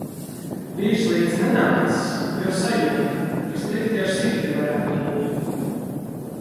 Vīrs līdzi nenācis, jo sajūta, ka slikti ar sirdi varētu būt.